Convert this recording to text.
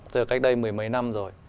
từ cách đây mười mấy năm rồi